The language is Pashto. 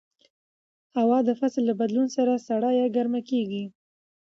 هوا د فصل له بدلون سره سړه یا ګرمه کېږي